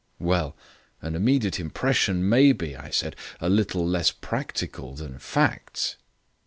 "Well, an immediate impression may be," I said, "a little less practical than facts."